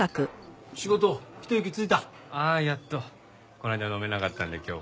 この間飲めなかったんで今日は。